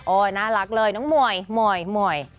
โอ้น่ารักเลยน้องหม่อยหม่อยหม่อย